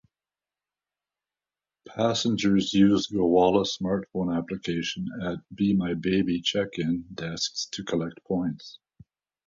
Passengers use the Gowalla smartphone application at Bmibaby check-in desks to collect points.